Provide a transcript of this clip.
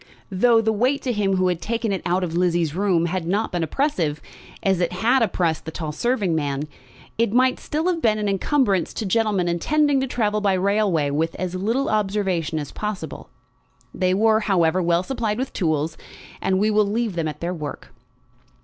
Though the weight to him who had taken it out of Lizzie's room had not been oppressive, as it had oppressed the tall serving man, it might still have been an encumbrance to gentlemen intending to travel by railway with as little observation as possible. They were, however, well supplied with tools, and we will leave them at their work.